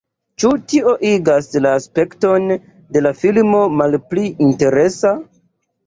Ĉu tio igas la spekton de la filmo malpli interesa?